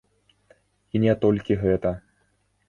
І не толькі гэта.